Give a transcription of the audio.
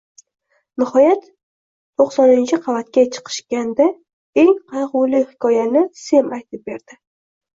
Nihoyat, toʻqsoninchi qavatga chiqishganda, eng qaygʻuli hikoyani Sem aytib berdi.